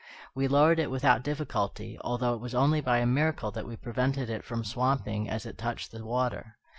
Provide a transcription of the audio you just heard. We lowered it without difficulty, although it was only by a miracle that we prevented it from swamping as it touched the water.